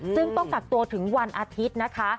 ซึ่งต้องกักตัวถึงวันอาทิตย์นะคะ